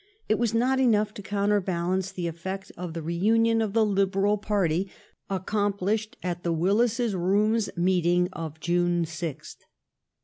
it was not enough to oounterbalanoe the eSeet of the reunion of the Liberal party aooompliBhed at the Willis's Booms meeting of June 6tb.